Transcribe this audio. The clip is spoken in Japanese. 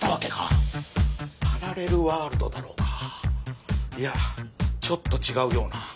パラレルワールドだろうかいやちょっと違うような。